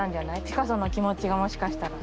ピカソの気持ちがもしかしたら。